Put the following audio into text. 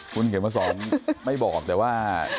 คุณเขียนมาสอนไม่บอกแต่ว่า